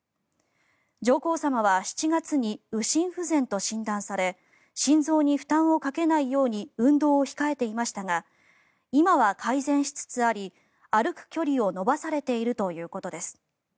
上皇さまは７月に右心不全と診断され心臓に負担をかけないように運動を控えていましたが今は改善しつつあり、歩く距離を延ばされているということです。